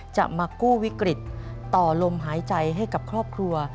จะมากู้วิกฤตต่อลมหายใจให้กับครอบครัว